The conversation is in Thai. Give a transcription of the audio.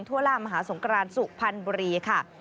ทั่วล่ามหาสงครานสุพรรณบุรีค่ะ